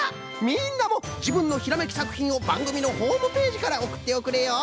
みんなもじぶんのひらめきさくひんをばんぐみのホームページからおくっておくれよ。